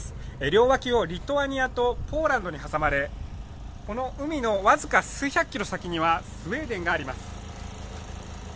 両脇をリトアニアとポーランドに挟まれこの海の僅か数百キロ先にはスウェーデンがあります。